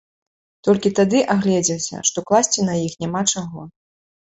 Толькі тады агледзеўся, што класці на іх няма чаго.